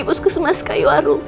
di pusku semas kayuwaru